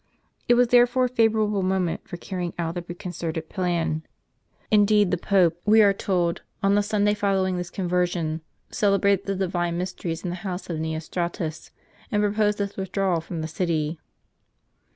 It was therefore a favorable moment for carrying out the preconcerted plan. Indeed the Pope, we are * It is not mentioned what it precisely was. w told, on the Sunday following this conversion, celebrated the divine mysteries in the house of Nieostratus, and proposed this withdrawal fi'om the city.